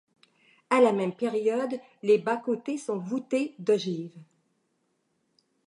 À la même période, les bas-côtés sont voûtés d'ogives.